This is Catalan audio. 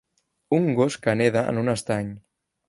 Un gos que neda en un estany.